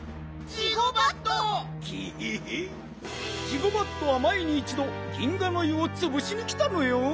ジゴバットはまえにいちど銀河の湯をつぶしにきたのよん。